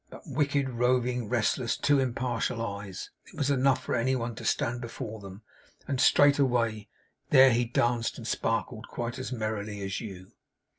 But, wicked, roving, restless, too impartial eyes, it was enough for any one to stand before them, and, straightway, there he danced and sparkled quite as merrily as you!